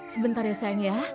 sebentar ya sayang ya